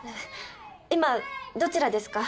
今どちらですか？